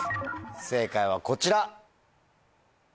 正解はこちら。